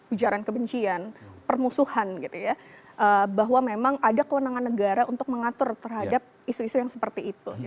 ujaran kebencian permusuhan gitu ya bahwa memang ada kewenangan negara untuk mengatur terhadap isu isu yang seperti itu